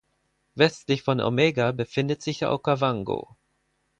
Westlich von Omega befindet sich der Okavango.